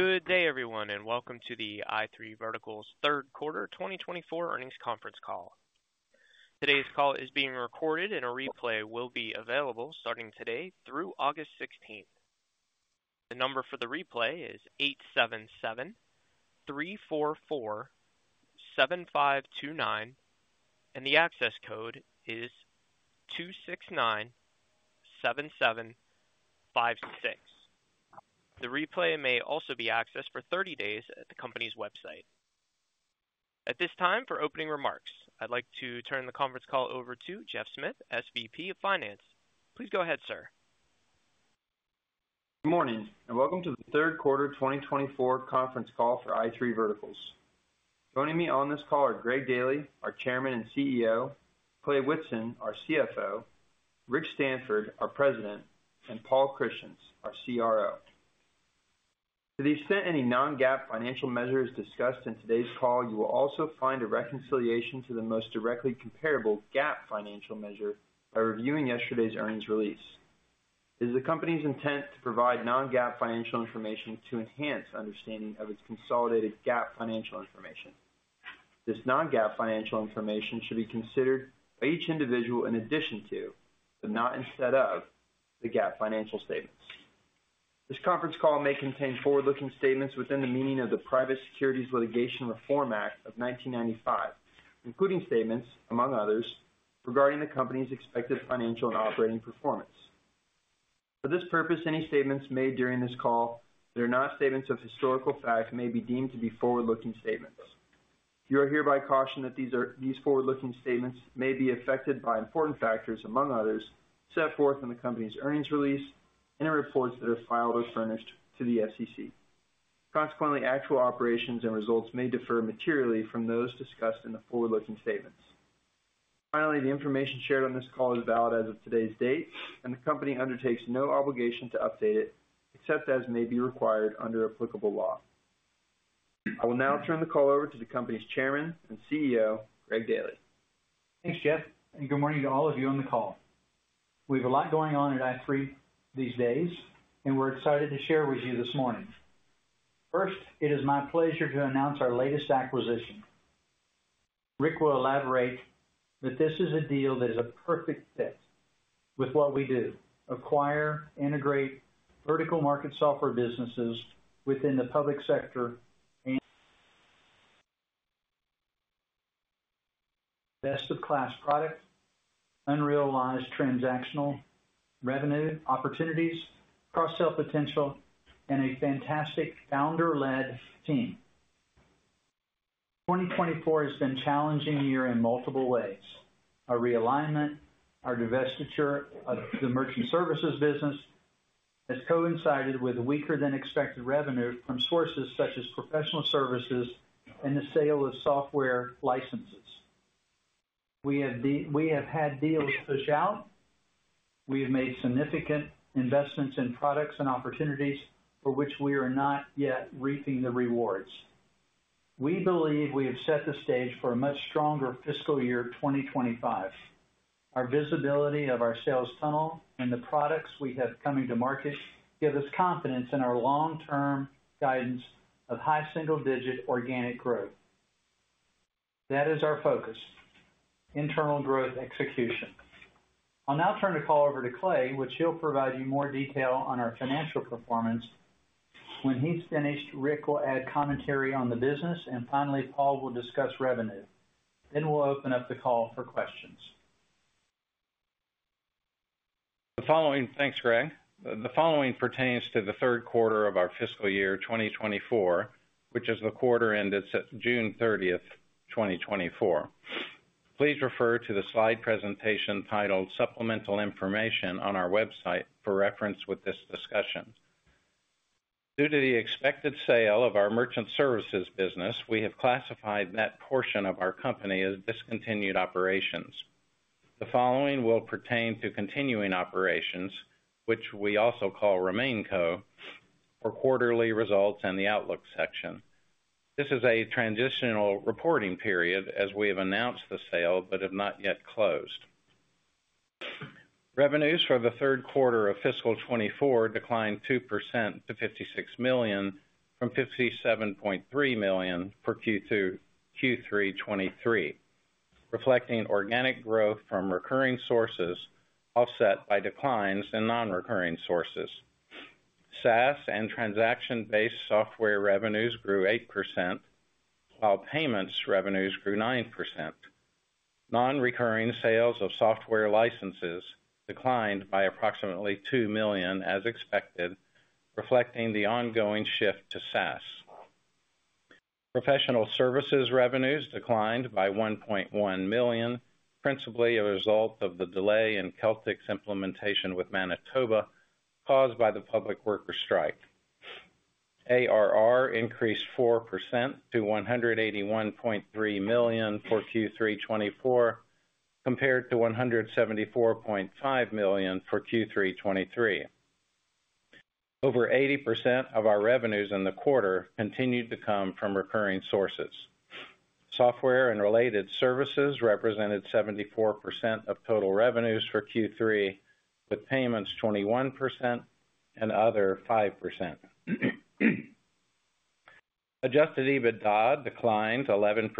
Good day, everyone, and welcome to the i3 Verticals Third Quarter 2024 Earnings Conference Call. Today's call is being recorded and a replay will be available starting today through August 16. The number for the replay is 877-344-7529, and the access code is 2697756. The replay may also be accessed for 30 days at the company's website. At this time, for opening remarks, I'd like to turn the conference call over to Jeff Smith, SVP of Finance. Please go ahead, sir. Good morning, and welcome to the third quarter 2024 conference call for i3 Verticals. Joining me on this call are Greg Daily, our Chairman and CEO, Clay Whitson, our CFO, Rick Stanford, our President, and Paul Christians, our CRO. To the extent any non-GAAP financial measures discussed in today's call, you will also find a reconciliation to the most directly comparable GAAP financial measure by reviewing yesterday's earnings release. It is the company's intent to provide non-GAAP financial information to enhance understanding of its consolidated GAAP financial information. This non-GAAP financial information should be considered by each individual in addition to, but not instead of, the GAAP financial statements. This conference call may contain forward-looking statements within the meaning of the Private Securities Litigation Reform Act of 1995, including statements, among others, regarding the company's expected financial and operating performance. For this purpose, any statements made during this call that are not statements of historical fact may be deemed to be forward-looking statements. You are hereby cautioned that these forward-looking statements may be affected by important factors, among others, set forth in the company's earnings release and in reports that are filed or furnished to the SEC. Consequently, actual operations and results may differ materially from those discussed in the forward-looking statements. Finally, the information shared on this call is valid as of today's date, and the company undertakes no obligation to update it, except as may be required under applicable law. I will now turn the call over to the company's Chairman and CEO, Greg Daily. Thanks, Jeff, and good morning to all of you on the call. We have a lot going on at i3 these days, and we're excited to share with you this morning. First, it is my pleasure to announce our latest acquisition. Rick will elaborate that this is a deal that is a perfect fit with what we do: acquire, integrate vertical market software businesses within the public sector and best-of-class product, unrealized transactional revenue opportunities, cross-sell potential, and a fantastic founder-led team. 2024 has been a challenging year in multiple ways. Our realignment, our divestiture of the merchant services business has coincided with weaker than expected revenue from sources such as professional services and the sale of software licenses. We have had deals push out. We have made significant investments in products and opportunities for which we are not yet reaping the rewards. We believe we have set the stage for a much stronger fiscal year 2025. Our visibility of our sales funnel and the products we have coming to market give us confidence in our long-term guidance of high single-digit organic growth. That is our focus, internal growth execution. I'll now turn the call over to Clay, which he'll provide you more detail on our financial performance. When he's finished, Rick will add commentary on the business, and finally, Paul will discuss revenue. Then we'll open up the call for questions. Thanks, Greg. The following pertains to the third quarter of our fiscal year 2024, which is the quarter ended June 30, 2024. Please refer to the slide presentation titled Supplemental Information on our website for reference with this discussion. Due to the expected sale of our merchant services business, we have classified that portion of our company as discontinued operations. The following will pertain to continuing operations, which we also call RemainCo, for quarterly results in the outlook section. This is a transitional reporting period, as we have announced the sale but have not yet closed. Revenues for the third quarter of fiscal 2024 declined 2% to $56 million, from $57.3 million for Q3 2023, reflecting organic growth from recurring sources, offset by declines in non-recurring sources. SaaS and transaction-based software revenues grew 8%, while payments revenues grew 9%. Non-recurring sales of software licenses declined by approximately $2 million, as expected, reflecting the ongoing shift to SaaS. Professional services revenues declined by $1.1 million, principally a result of the delay in Celtic' implementation with Manitoba, caused by the public worker strike. ARR increased 4% to $181.3 million for Q3 2024, compared to $174.5 million for Q3 2023. Over 80% of our revenues in the quarter continued to come from recurring sources.... Software and related services represented 74% of total revenues for Q3, with payments 21% and other 5%. Adjusted EBITDA declined 11%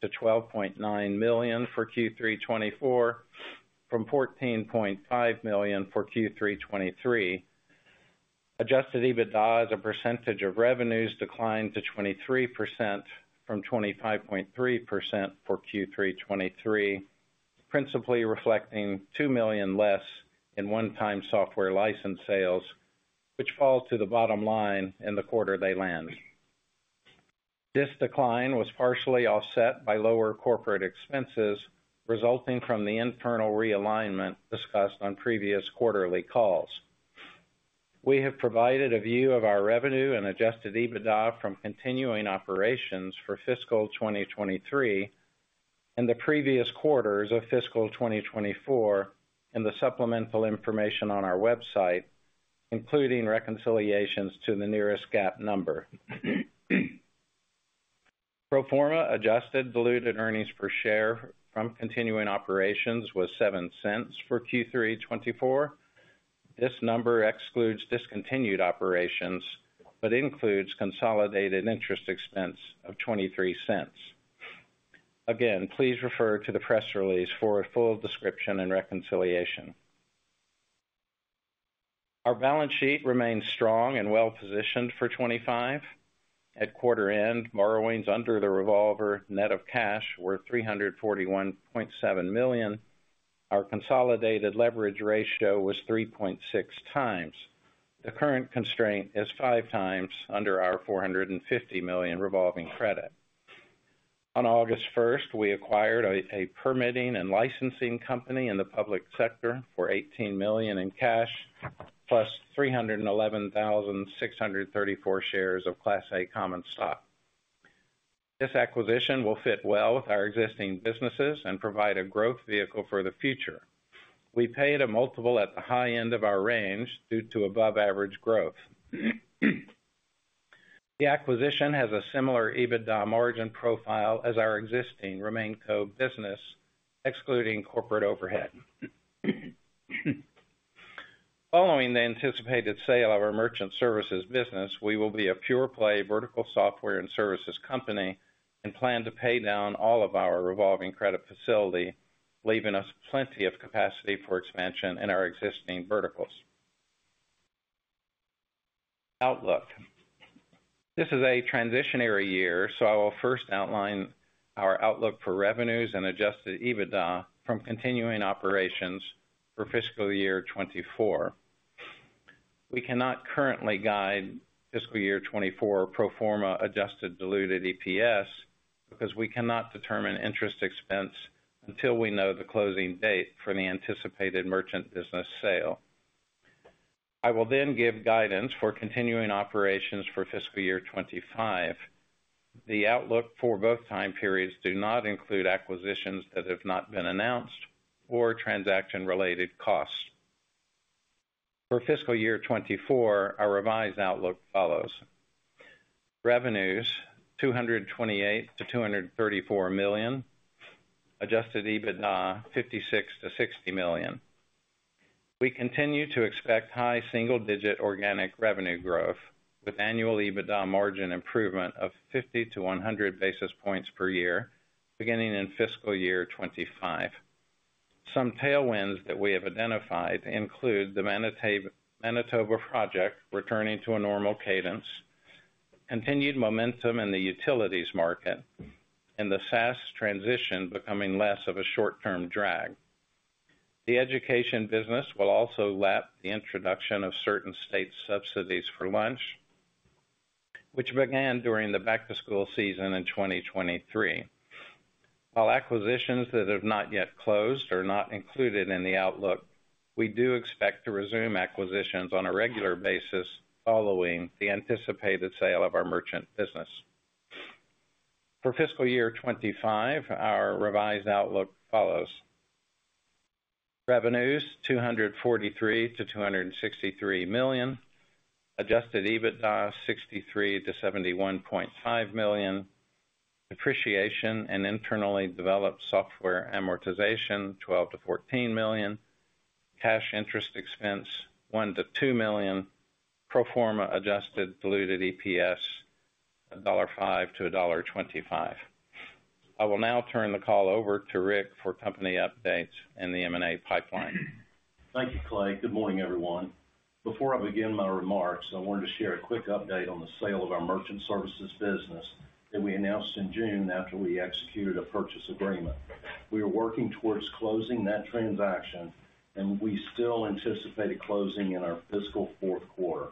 to $12.9 million for Q3 2024, from $14.5 million for Q3 2023. Adjusted EBITDA as a percentage of revenues declined to 23% from 25.3% for Q3 2023, principally reflecting $2 million less in one-time software license sales, which fall to the bottom line in the quarter they land. This decline was partially offset by lower corporate expenses, resulting from the internal realignment discussed on previous quarterly calls. We have provided a view of our revenue and adjusted EBITDA from continuing operations for fiscal 2023 and the previous quarters of fiscal 2024, and the supplemental information on our website, including reconciliations to the nearest GAAP number. Pro forma adjusted diluted earnings per share from continuing operations was $0.07 for Q3 2024. This number excludes discontinued operations, but includes consolidated interest expense of $0.23. Again, please refer to the press release for a full description and reconciliation. Our balance sheet remains strong and well-positioned for 2025. At quarter end, borrowings under the revolver net of cash were $341.7 million. Our consolidated leverage ratio was 3.6 times. The current constraint is 5 times under our $450 million revolving credit. On August first, we acquired a permitting and licensing company in the public sector for $18 million in cash, plus 311,634 shares of Class A Common Stock. This acquisition will fit well with our existing businesses and provide a growth vehicle for the future. We paid a multiple at the high end of our range due to above average growth. The acquisition has a similar EBITDA margin profile as our existing Remainco business, excluding corporate overhead. Following the anticipated sale of our merchant services business, we will be a pure play vertical software and services company, and plan to pay down all of our revolving credit facility, leaving us plenty of capacity for expansion in our existing verticals. Outlook. This is a transitional year, so I will first outline our outlook for revenues and Adjusted EBITDA from continuing operations for fiscal year 2024. We cannot currently guide fiscal year 2024 pro forma adjusted diluted EPS, because we cannot determine interest expense until we know the closing date for the anticipated merchant business sale. I will then give guidance for continuing operations for fiscal year 2025. The outlook for both time periods do not include acquisitions that have not been announced or transaction-related costs. For fiscal year 2024, our revised outlook follows: revenues, $228 million-$234 million; Adjusted EBITDA, $56 million-$60 million. We continue to expect high single-digit organic revenue growth, with annual EBITDA margin improvement of 50 to 100 basis points per year, beginning in fiscal year 2025. Some tailwinds that we have identified include the Manitoba project returning to a normal cadence, continued momentum in the utilities market, and the SaaS transition becoming less of a short-term drag. The education business will also lap the introduction of certain state subsidies for lunch, which began during the back-to-school season in 2023. While acquisitions that have not yet closed are not included in the outlook, we do expect to resume acquisitions on a regular basis following the anticipated sale of our merchant business. For fiscal year 2025, our revised outlook follows: revenues, $243 million-$263 million. Adjusted EBITDA, $63 million-$71.5 million. Depreciation and internally developed software amortization, $12 million-$14 million. Cash interest expense, $1 million-$2 million. Pro forma adjusted diluted EPS, $1.05-$1.25. I will now turn the call over to Rick for company updates and the M&A pipeline. Thank you, Clay. Good morning, everyone. Before I begin my remarks, I wanted to share a quick update on the sale of our merchant services business that we announced in June after we executed a purchase agreement. We are working towards closing that transaction, and we still anticipate a closing in our fiscal fourth quarter.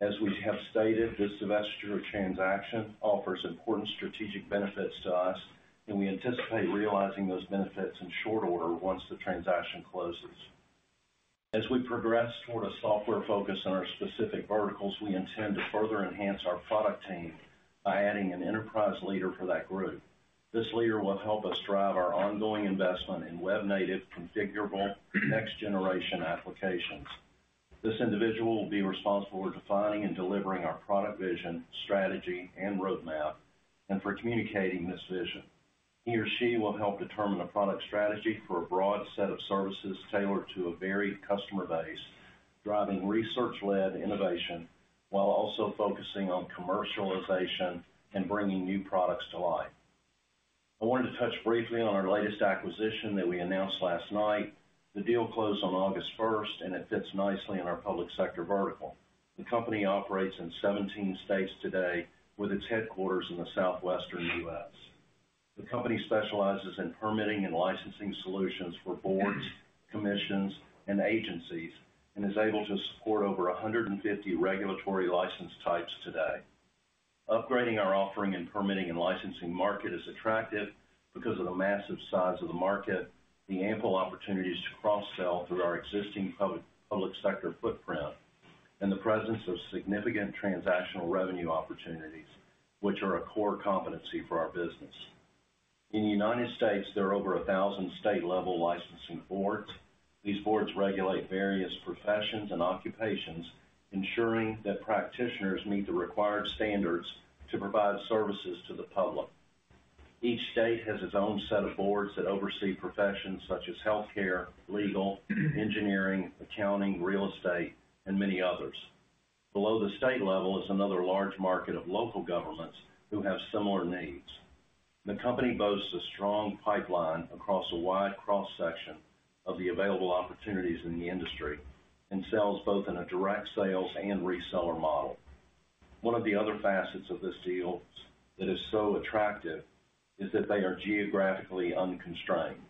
As we have stated, this divestiture transaction offers important strategic benefits to us, and we anticipate realizing those benefits in short order once the transaction closes. As we progress toward a software focus on our specific verticals, we intend to further enhance our product team by adding an enterprise leader for that group. This leader will help us drive our ongoing investment in web-native, configurable, next-generation applications. This individual will be responsible for defining and delivering our product vision, strategy, and roadmap, and for communicating this vision. He or she will help determine a product strategy for a broad set of services tailored to a varied customer base, driving research-led innovation, while also focusing on commercialization and bringing new products to life. I wanted to touch briefly on our latest acquisition that we announced last night. The deal closed on August 1, and it fits nicely in our public sector vertical. The company operates in 17 states today, with its headquarters in the southwestern U.S. The company specializes in permitting and licensing solutions for boards, commissions, and agencies, and is able to support over 150 regulatory license types today. Upgrading our offering and permitting and licensing market is attractive because of the massive size of the market, the ample opportunities to cross-sell through our existing public sector footprint, and the presence of significant transactional revenue opportunities, which are a core competency for our business. In the United States, there are over 1,000 state-level licensing boards. These boards regulate various professions and occupations, ensuring that practitioners meet the required standards to provide services to the public. Each state has its own set of boards that oversee professions such as healthcare, legal, engineering, accounting, real estate, and many others. Below the state level is another large market of local governments who have similar needs. The company boasts a strong pipeline across a wide cross-section of the available opportunities in the industry, and sells both in a direct sales and reseller model. One of the other facets of this deal that is so attractive is that they are geographically unconstrained.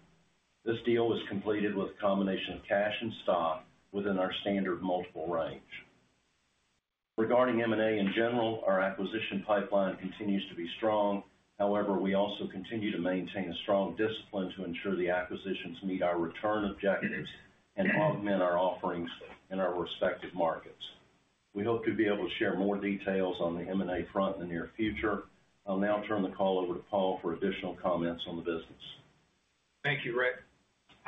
This deal was completed with a combination of cash and stock within our standard multiple range. Regarding M&A in general, our acquisition pipeline continues to be strong. However, we also continue to maintain a strong discipline to ensure the acquisitions meet our return objectives and augment our offerings in our respective markets. We hope to be able to share more details on the M&A front in the near future. I'll now turn the call over to Paul for additional comments on the business. Thank you, Rick.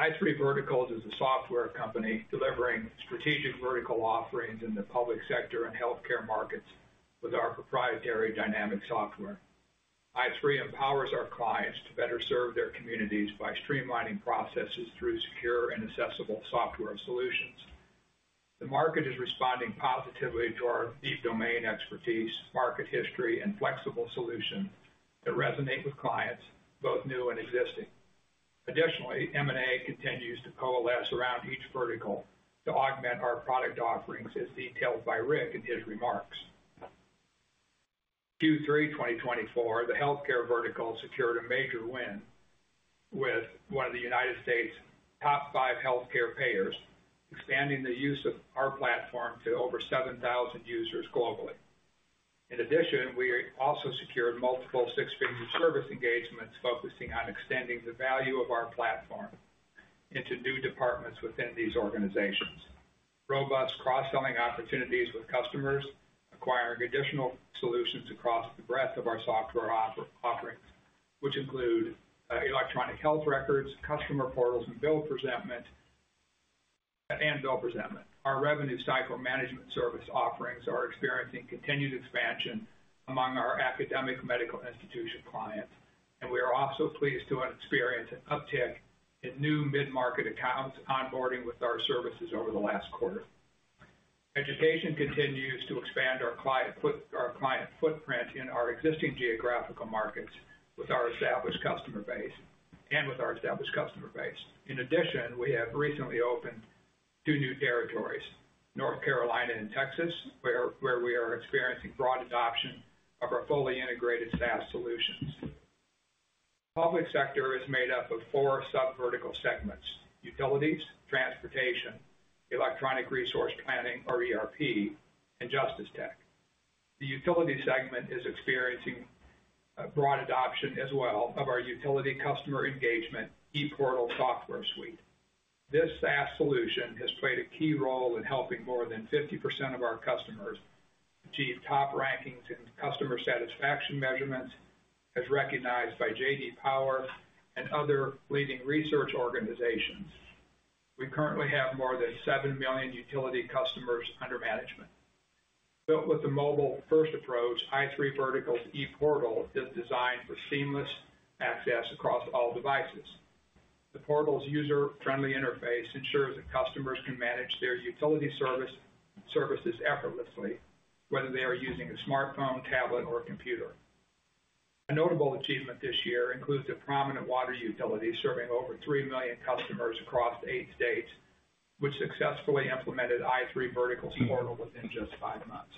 i3 Verticals is a software company delivering strategic vertical offerings in the public sector and healthcare markets with our proprietary dynamic software. i3 Verticals empowers our clients to better serve their communities by streamlining processes through secure and accessible software solutions. The market is responding positively to our deep domain expertise, market history, and flexible solution that resonate with clients, both new and existing. Additionally, M&A continues to coalesce around each vertical to augment our product offerings, as detailed by Rick in his remarks. Q3 2024, the healthcare vertical secured a major win with one of the United States' top five healthcare payers, expanding the use of our platform to over 7,000 users globally. In addition, we also secured multiple six-figure service engagements, focusing on extending the value of our platform into new departments within these organizations. Robust cross-selling opportunities with customers, acquiring additional solutions across the breadth of our software offerings, which include electronic health records, customer portals, and bill presentment. Our revenue cycle management service offerings are experiencing continued expansion among our academic medical institution clients, and we are also pleased to experience an uptick in new mid-market accounts onboarding with our services over the last quarter. Education continues to expand our client footprint in our existing geographical markets with our established customer base. In addition, we have recently opened two new territories, North Carolina and Texas, where we are experiencing broad adoption of our fully integrated SaaS solutions. Public sector is made up of four sub-vertical segments: utilities, transportation, Enterprise Resource Planning, or ERP, and justice tech. The utility segment is experiencing a broad adoption as well of our utility customer engagement ePortal software suite. This SaaS solution has played a key role in helping more than 50% of our customers achieve top rankings in customer satisfaction measurements, as recognized by J.D. Power and other leading research organizations. We currently have more than 7 million utility customers under management. Built with a mobile-first approach, i3 Verticals' ePortal is designed for seamless access across all devices. The portal's user-friendly interface ensures that customers can manage their utility services effortlessly, whether they are using a smartphone, tablet, or computer. A notable achievement this year includes a prominent water utility serving over 3 million customers across eight states, which successfully implemented i3 Verticals' portal within just five months.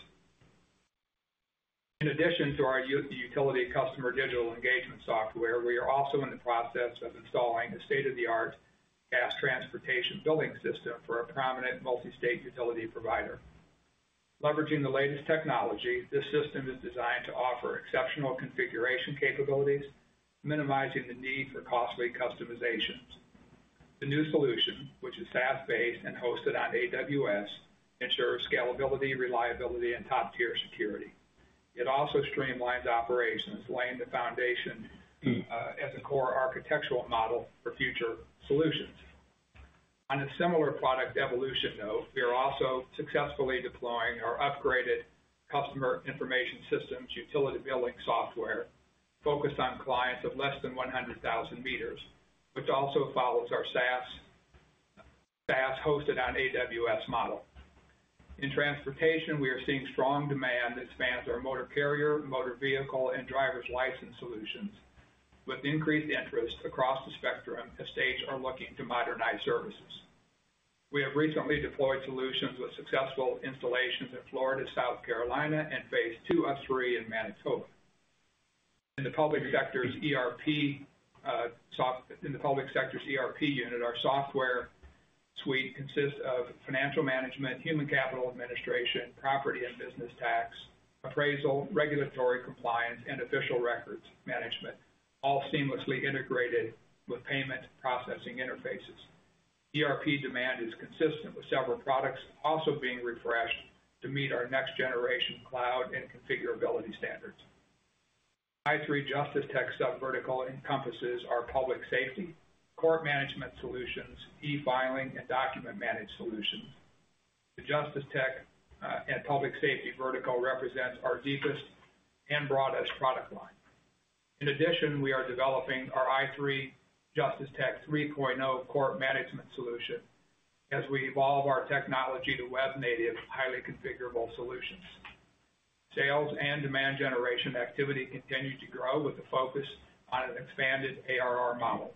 In addition to our utility customer digital engagement software, we are also in the process of installing a state-of-the-art gas transportation billing system for a prominent multi-state utility provider. Leveraging the latest technology, this system is designed to offer exceptional configuration capabilities, minimizing the need for costly customizations. The new solution, which is SaaS-based and hosted on AWS, ensures scalability, reliability, and top-tier security.... It also streamlines operations, laying the foundation as a core architectural model for future solutions. On a similar product evolution note, we are also successfully deploying our upgraded customer information systems utility billing software, focused on clients of less than 100,000 meters, which also follows our SaaS, SaaS hosted on AWS model. In transportation, we are seeing strong demand that spans our motor carrier, motor vehicle, and driver's license solutions, with increased interest across the spectrum as states are looking to modernize services. We have recently deployed solutions with successful installations in Florida, South Carolina, and phase two of three in Manitoba. In the public sector's ERP unit, our software suite consists of financial management, human capital administration, property and business tax, appraisal, regulatory compliance, and official records management, all seamlessly integrated with payment processing interfaces. ERP demand is consistent, with several products also being refreshed to meet our next generation cloud and configurability standards. i3 JusticeTech subvertical encompasses our public safety, court management solutions, e-filing, and document managed solutions. The JusticeTech and Public Safety vertical represents our deepest and broadest product line. In addition, we are developing our i3 JusticeTech 3.0 court management solution as we evolve our technology to web-native, highly configurable solutions. Sales and demand generation activity continue to grow with a focus on an expanded ARR model.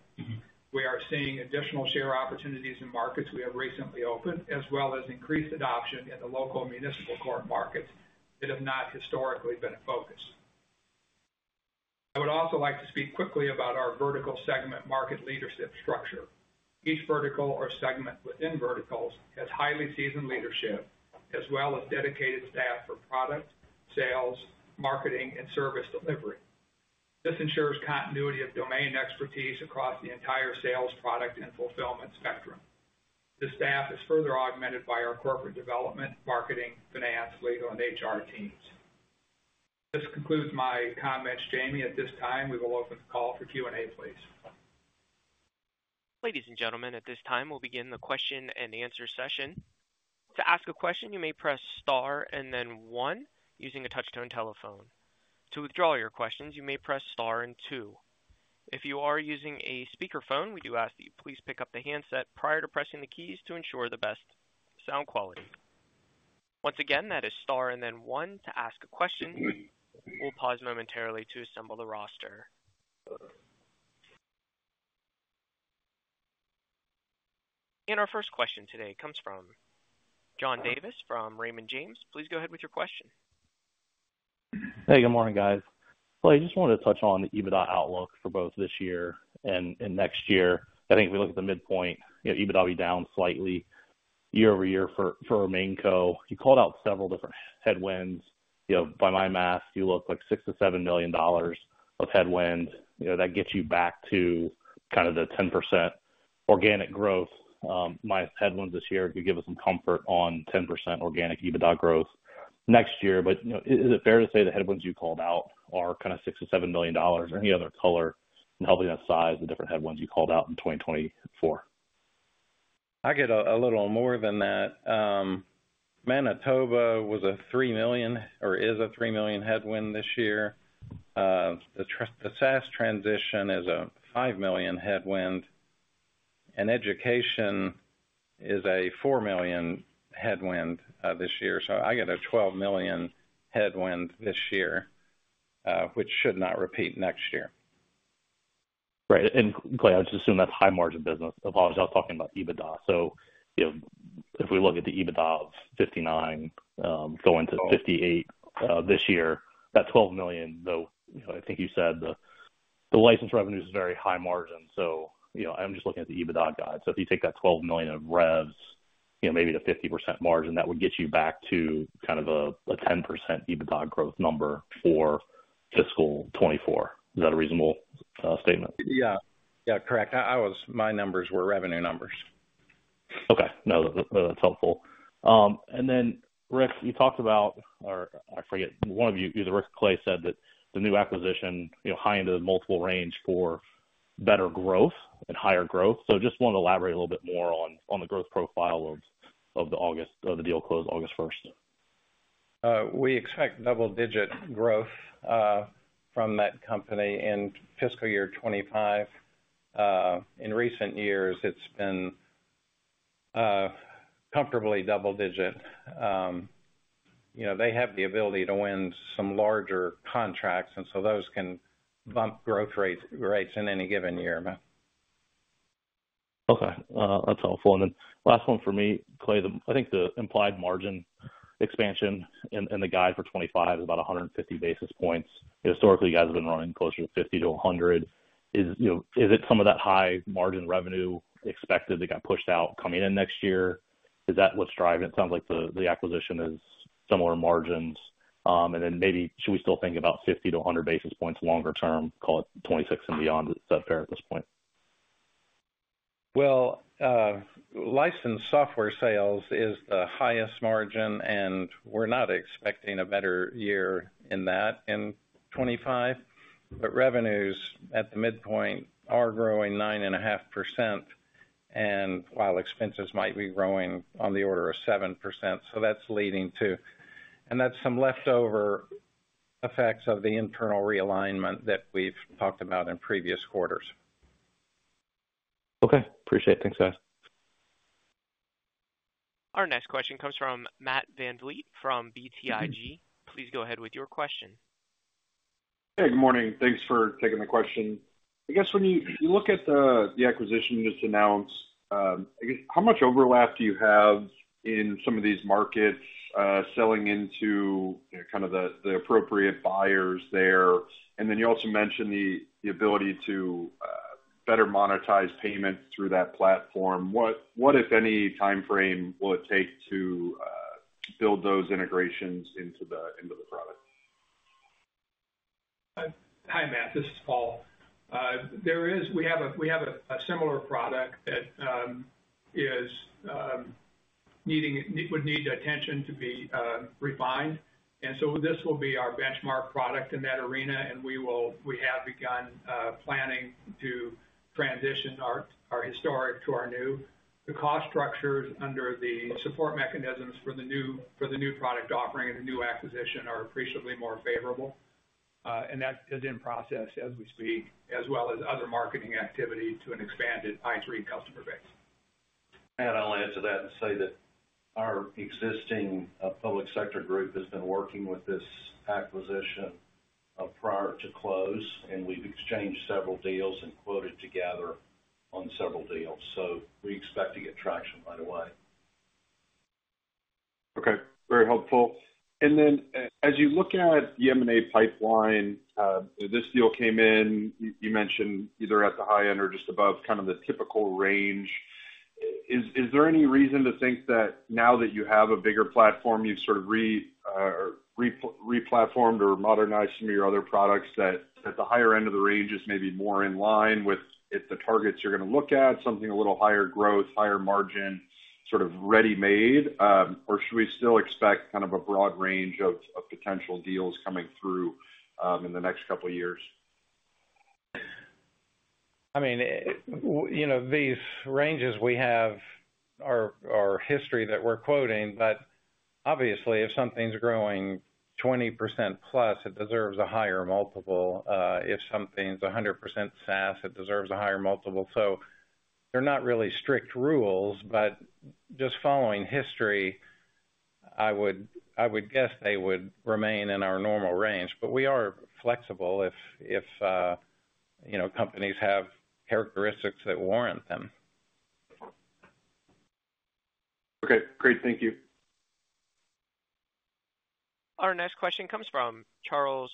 We are seeing additional share opportunities in markets we have recently opened, as well as increased adoption in the local municipal court markets that have not historically been a focus. I would also like to speak quickly about our vertical segment market leadership structure. Each vertical or segment within verticals has highly seasoned leadership, as well as dedicated staff for product, sales, marketing, and service delivery. This ensures continuity of domain expertise across the entire sales, product, and fulfillment spectrum. The staff is further augmented by our corporate development, marketing, finance, legal, and HR teams. This concludes my comments, Jamie. At this time, we will open the call for Q&A, please. Ladies and gentlemen, at this time, we'll begin the question-and-answer session. To ask a question, you may press star and then one using a touch-tone telephone. To withdraw your questions, you may press star and two. If you are using a speakerphone, we do ask that you please pick up the handset prior to pressing the keys to ensure the best sound quality. Once again, that is star and then one to ask a question. We'll pause momentarily to assemble the roster. And our first question today comes from John Davis from Raymond James. Please go ahead with your question. Hey, good morning, guys. Well, I just wanted to touch on the EBITDA outlook for both this year and next year. I think if we look at the midpoint, you know, EBITDA will be down slightly year over year for RemainCo. You called out several different headwinds. You know, by my math, you look like $6 million-$7 million of headwinds. You know, that gets you back to kind of the 10% organic growth, my headwinds this year, if you give us some comfort on 10% organic EBITDA growth next year. But, you know, is it fair to say the headwinds you called out are kind of $6 million-$7 million or any other color in helping that size, the different headwinds you called out in 2024? I get a little more than that. Manitoba was a $3 million or is a $3 million headwind this year. The SaaS transition is a $5 million headwind, and education is a $4 million headwind this year. So I get a $12 million headwind this year, which should not repeat next year. Right. And Clay, I just assume that's high margin business, although I was talking about EBITDA. So, you know, if we look at the EBITDA of $59 million going to $58 million this year, that $12 million, though, you know, I think you said the, the license revenue is very high margin. So, you know, I'm just looking at the EBITDA guide. So if you take that $12 million of revs, you know, maybe to 50% margin, that would get you back to kind of a, a 10% EBITDA growth number for fiscal 2024. Is that a reasonable statement? Yeah. Yeah, correct. I was... My numbers were revenue numbers. Okay. No, that's, that's helpful. And then Rick, you talked about or I forget, one of you, either Rick or Clay, said that the new acquisition, you know, high into the multiple range for better growth and higher growth. So just want to elaborate a little bit more on the growth profile of the August of the deal closed August first. We expect double-digit growth from that company in fiscal year 25. In recent years, it's been comfortably double-digit. You know, they have the ability to win some larger contracts, and so those can bump growth rates in any given year. Okay, that's helpful. And then last one for me, Clay. I think the implied margin expansion in the guide for 25 is about 150 basis points. Historically, you guys have been running closer to 50-100. Is, you know, is it some of that high margin revenue expected that got pushed out coming in next year? Is that what's driving? It sounds like the acquisition is similar margins. And then maybe should we still think about 50-100 basis points longer term, call it 26 and beyond, is that fair at this point?... Well, licensed software sales is the highest margin, and we're not expecting a better year in that in 25. But revenues at the midpoint are growing 9.5%, and while expenses might be growing on the order of 7%, so that's leading to. And that's some leftover effects of the internal realignment that we've talked about in previous quarters. Okay, appreciate it. Thanks, guys. Our next question comes from Matt VanVliet from BTIG. Please go ahead with your question. Hey, good morning. Thanks for taking the question. I guess when you look at the acquisition just announced, I guess, how much overlap do you have in some of these markets, selling into, kind of, the appropriate buyers there? And then you also mentioned the ability to better monetize payment through that platform. What, if any, timeframe will it take to build those integrations into the product? Hi, Matt, this is Paul. We have a similar product that would need attention to be refined, and so this will be our benchmark product in that arena, and we have begun planning to transition our historic to our new. The cost structures under the support mechanisms for the new product offering and the new acquisition are appreciably more favorable, and that is in process as we speak, as well as other marketing activity to an expanded i3 customer base. I'll add to that and say that our existing public sector group has been working with this acquisition prior to close, and we've exchanged several deals and quoted together on several deals, so we expect to get traction right away. Okay, very helpful. And then as you look at the M&A pipeline, this deal came in, you mentioned either at the high end or just above kind of the typical range. Is there any reason to think that now that you have a bigger platform, you've sort of replatformed or modernized some of your other products, that the higher end of the range is maybe more in line with if the targets you're gonna look at, something a little higher growth, higher margin, sort of ready-made? Or should we still expect kind of a broad range of potential deals coming through, in the next couple of years? I mean, you know, these ranges we have are, are history that we're quoting, but obviously, if something's growing 20%+, it deserves a higher multiple. If something's 100% SaaS, it deserves a higher multiple. So they're not really strict rules, but just following history, I would, I would guess they would remain in our normal range. But we are flexible if, if, you know, companies have characteristics that warrant them. Okay, great. Thank you. Our next question comes from Charles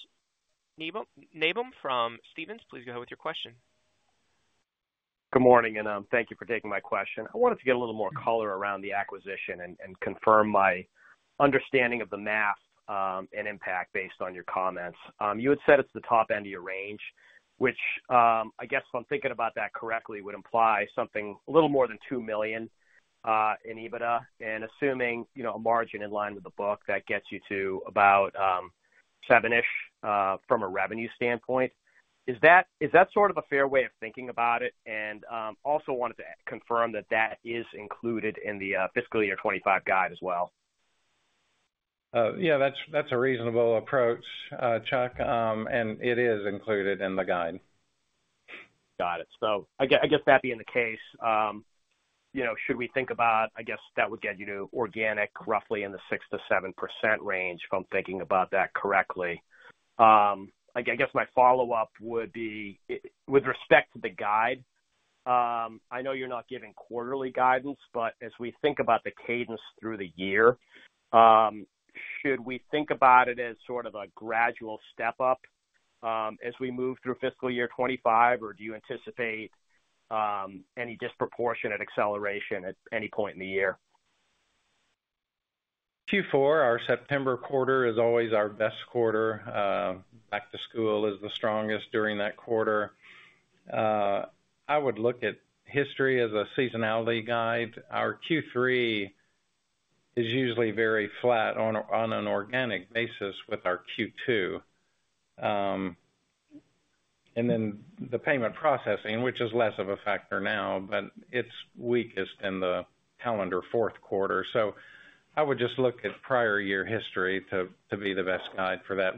Nabhan from Stephens. Please go ahead with your question. Good morning, and thank you for taking my question. I wanted to get a little more color around the acquisition and confirm my understanding of the math and impact based on your comments. You had said it's the top end of your range, which I guess if I'm thinking about that correctly, would imply something a little more than $2 million in EBITDA, and assuming, you know, a margin in line with the book, that gets you to about 7-ish from a revenue standpoint. Is that sort of a fair way of thinking about it? And also wanted to confirm that that is included in the fiscal year 2025 guide as well. Yeah, that's a reasonable approach, Chuck, and it is included in the guide. Got it. So I guess that being the case, you know, should we think about... I guess that would get you to organic roughly in the 6%-7% range, if I'm thinking about that correctly. I guess my follow-up would be, with respect to the guide, I know you're not giving quarterly guidance, but as we think about the cadence through the year, should we think about it as sort of a gradual step up, as we move through fiscal year 2025? Or do you anticipate any disproportionate acceleration at any point in the year? Q4, our September quarter, is always our best quarter. Back to school is the strongest during that quarter. I would look at history as a seasonality guide. Our Q3 is usually very flat on an organic basis with our Q2. And then the payment processing, which is less of a factor now, but it's weakest in the calendar fourth quarter. So I would just look at prior year history to be the best guide for that.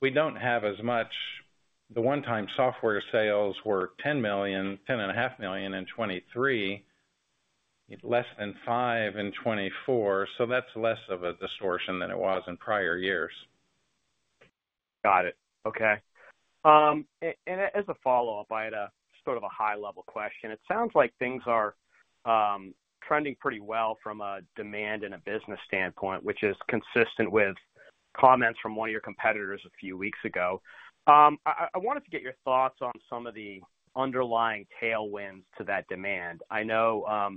We don't have as much—the one-time software sales were $10 million, $10.5 million in 2023, less than $5 million in 2024, so that's less of a distortion than it was in prior years. Got it. Okay. And as a follow-up, I had a sort of a high-level question. It sounds like things are trending pretty well from a demand and a business standpoint, which is consistent with comments from one of your competitors a few weeks ago. I wanted to get your thoughts on some of the underlying tailwinds to that demand. I know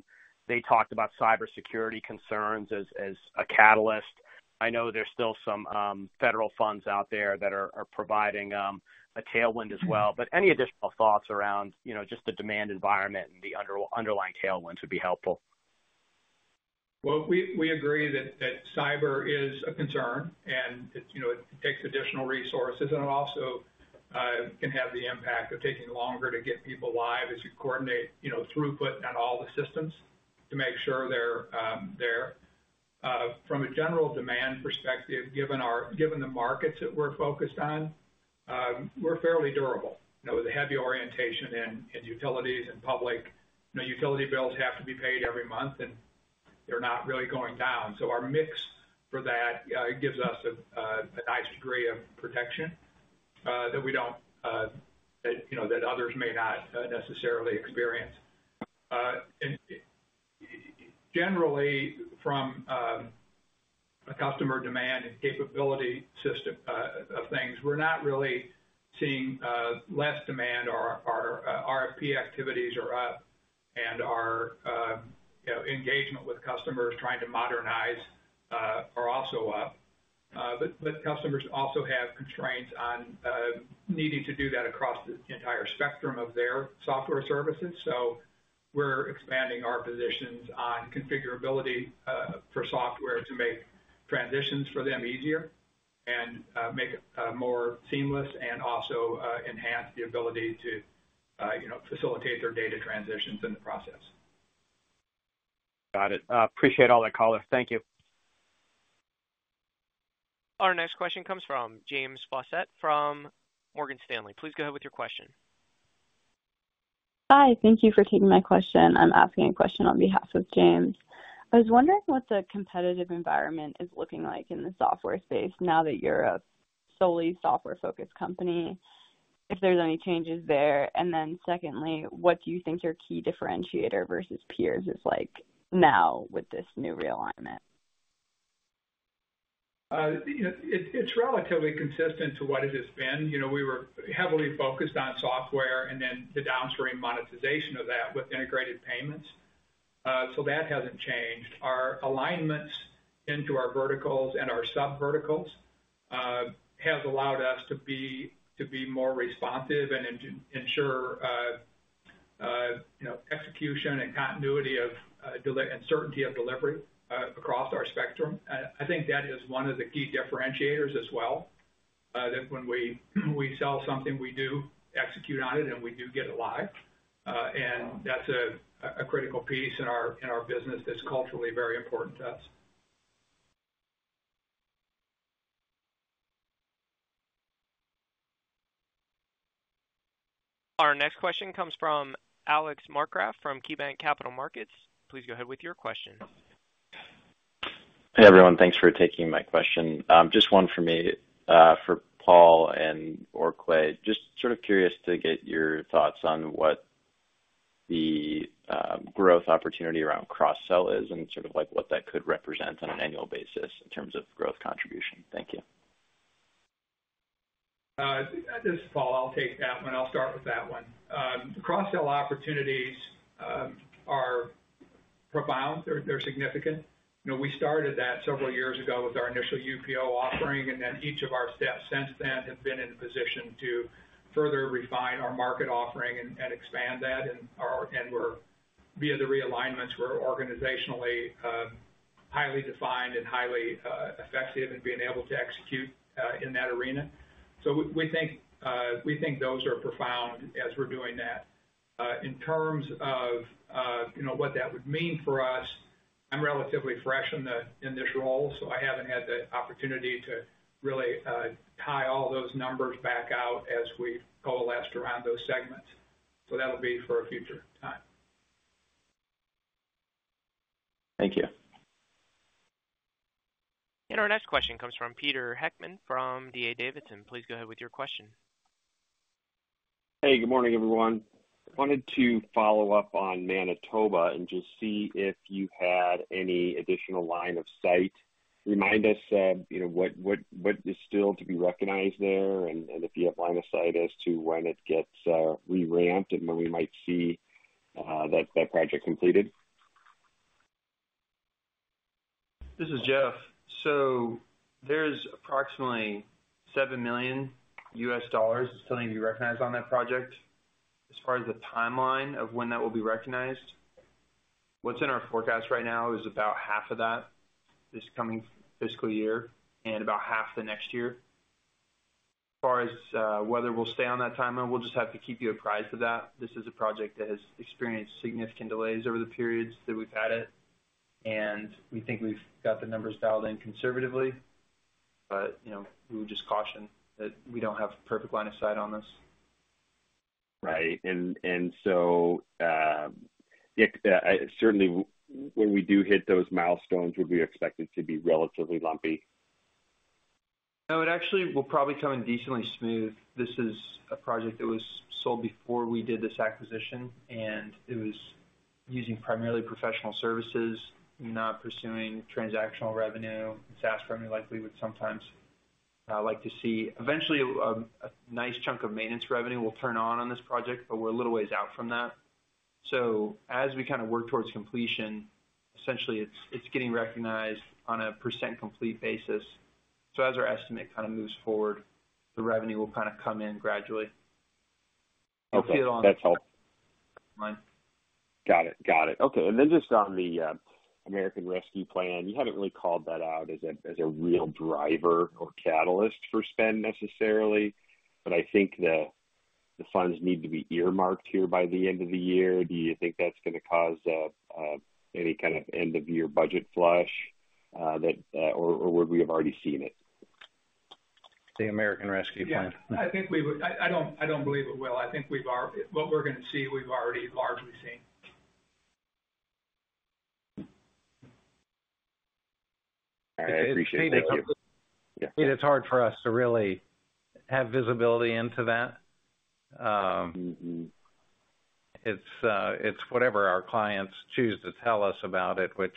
they talked about cybersecurity concerns as a catalyst. I know there's still some federal funds out there that are providing a tailwind as well. But any additional thoughts around, you know, just the demand environment and the underlying tailwinds would be helpful. ... Well, we agree that cyber is a concern, and it, you know, it takes additional resources, and it also can have the impact of taking longer to get people live as you coordinate, you know, throughput on all the systems to make sure they're there. From a general demand perspective, given the markets that we're focused on, we're fairly durable. You know, with a heavy orientation in utilities and public, you know, utility bills have to be paid every month, and they're not really going down. So our mix for that gives us a nice degree of protection that we don't, you know, that others may not necessarily experience. And, generally, from a customer demand and capability system of things, we're not really seeing less demand. Our RFP activities are up, and our, you know, engagement with customers trying to modernize are also up. But customers also have constraints on needing to do that across the entire spectrum of their software services. So we're expanding our positions on configurability for software to make transitions for them easier and make it more seamless and also enhance the ability to, you know, facilitate their data transitions in the process. Got it. Appreciate all that, caller. Thank you. Our next question comes from James Faucette from Morgan Stanley. Please go ahead with your question. Hi, thank you for taking my question. I'm asking a question on behalf of James. I was wondering what the competitive environment is looking like in the software space now that you're a solely software-focused company, if there's any changes there? And then secondly, what do you think your key differentiator versus peers is like now with this new realignment? You know, it's relatively consistent to what it has been. You know, we were heavily focused on software and then the downstream monetization of that with integrated payments. So that hasn't changed. Our alignments into our verticals and our sub verticals has allowed us to be more responsive and ensure, you know, execution and continuity of delivery and certainty of delivery across our spectrum. I think that is one of the key differentiators as well, that when we sell something, we do execute on it, and we do get it live. And that's a critical piece in our business that's culturally very important to us. Our next question comes from Alex Markgraff from KeyBanc Capital Markets. Please go ahead with your question. Hey, everyone. Thanks for taking my question. Just one for me, for Paul and- or Clay. Just sort of curious to get your thoughts on what the growth opportunity around cross-sell is and sort of like what that could represent on an annual basis in terms of growth contribution. Thank you. This is Paul. I'll take that one. I'll start with that one. Cross-sell opportunities are profound. They're significant. You know, we started that several years ago with our initial UPO offering, and then each of our steps since then have been in a position to further refine our market offering and expand that, and we're via the realignments organizationally highly defined and highly effective in being able to execute in that arena. So we think those are profound as we're doing that. In terms of, you know, what that would mean for us, I'm relatively fresh in this role, so I haven't had the opportunity to really tie all those numbers back out as we coalesced around those segments. So that'll be for a future time. Thank you. Our next question comes from Peter Heckmann from D.A. Davidson. Please go ahead with your question. Hey, good morning, everyone. I wanted to follow up on Manitoba and just see if you had any additional line of sight. Remind us, you know, what is still to be recognized there, and if you have line of sight as to when it gets reramped and when we might see that project completed? This is Jeff. So there's approximately $7 million still need to be recognized on that project. As far as the timeline of when that will be recognized, what's in our forecast right now is about half of that, this coming fiscal year and about half the next year. As far as, whether we'll stay on that timeline, we'll just have to keep you apprised of that. This is a project that has experienced significant delays over the periods that we've had it, and we think we've got the numbers dialed in conservatively, but, you know, we would just caution that we don't have perfect line of sight on this. Right. And so, yeah, certainly when we do hit those milestones, would we expect it to be relatively lumpy? No, it actually will probably come in decently smooth. This is a project that was sold before we did this acquisition, and it was using primarily professional services, not pursuing transactional revenue. SaaS revenue likely would sometimes, like to see... Eventually, a nice chunk of maintenance revenue will turn on this project, but we're a little ways out from that. So as we kind of work towards completion, essentially, it's getting recognized on a percent complete basis. So as our estimate kind of moves forward, the revenue will kind of come in gradually.... Okay, that's helpful. Got it. Got it. Okay, and then just on the American Rescue Plan, you haven't really called that out as a real driver or catalyst for spend necessarily, but I think the funds need to be earmarked here by the end of the year. Do you think that's gonna cause any kind of end-of-year budget flush, that or would we have already seen it? The American Rescue Plan? Yeah, I think we would. I, I don't, I don't believe it will. I think we've already. What we're gonna see, we've already largely seen. I appreciate it. Thank you. It's hard for us to really have visibility into that. Mm-hmm. It's, it's whatever our clients choose to tell us about it, which...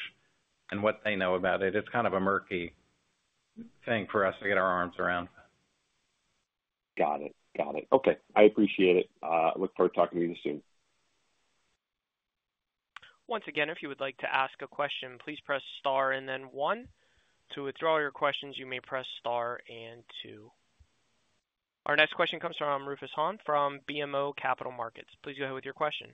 And what they know about it, it's kind of a murky thing for us to get our arms around. Got it. Got it. Okay, I appreciate it. Look forward to talking to you soon. Once again, if you would like to ask a question, please press Star and then one. To withdraw your questions, you may press Star and two. Our next question comes from Rufus Hone from BMO Capital Markets. Please go ahead with your question.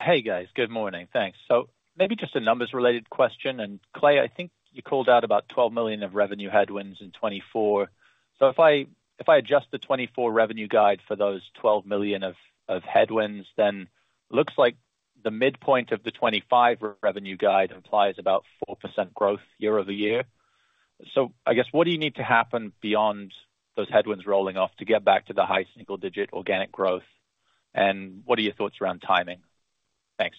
Hey, guys. Good morning. Thanks. So maybe just a numbers-related question. And, Clay, I think you called out about $12 million of revenue headwinds in 2024. So if I, if I adjust the 2024 revenue guide for those $12 million of, of headwinds, then it looks like the midpoint of the 2025 revenue guide implies about 4% growth year-over-year. So I guess, what do you need to happen beyond those headwinds rolling off to get back to the high single-digit organic growth, and what are your thoughts around timing? Thanks.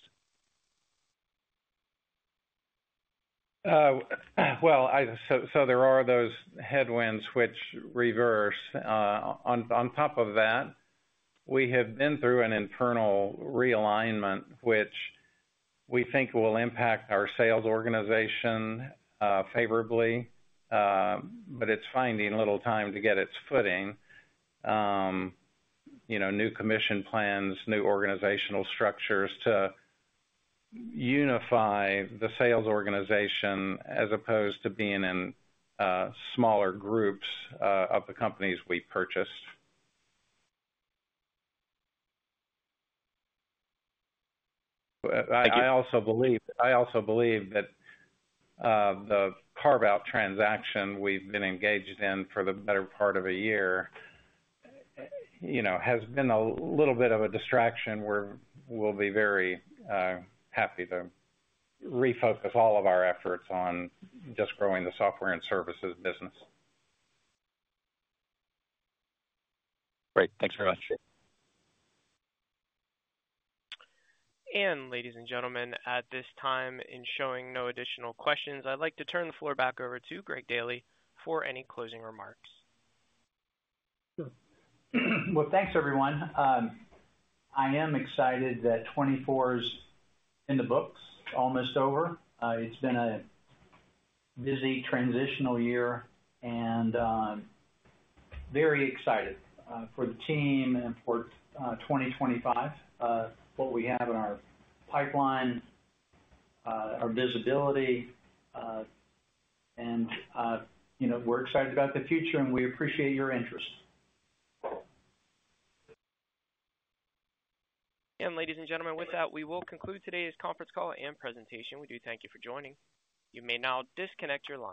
Well, so there are those headwinds which reverse. On top of that, we have been through an internal realignment, which we think will impact our sales organization favorably. But it's finding little time to get its footing. You know, new commission plans, new organizational structures to unify the sales organization as opposed to being in smaller groups of the companies we purchased. Thank you. I also believe, I also believe that the carve-out transaction we've been engaged in for the better part of a year, you know, has been a little bit of a distraction, where we'll be very happy to refocus all of our efforts on just growing the software and services business. Great. Thanks very much. Ladies and gentlemen, at this time, in showing no additional questions, I'd like to turn the floor back over to Greg Daily for any closing remarks. Well, thanks, everyone. I am excited that 2024 is in the books, almost over. It's been a busy transitional year and very excited for the team and for 2025, what we have in our pipeline, our visibility, and you know, we're excited about the future, and we appreciate your interest. Ladies and gentlemen, with that, we will conclude today's conference call and presentation. We do thank you for joining. You may now disconnect your line.